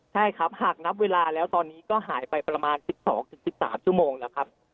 ใช่ครับหากนับเวลาแล้วตอนนี้ก็หายไปประมาณ๑๒๑๓ชั่วโมงแล้วครับ